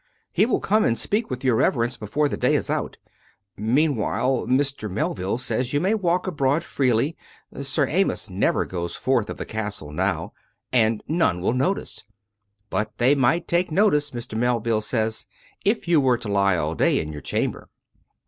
He will come and speak with your Reverence before the day is out. Mean while, Mr. Melville says you may walk abroad freely. ^ Sir Amyas never goes forth of the castle now, and none will notice. But they might take notice, Mr. Melville says, if you were to lie all day in your chamber."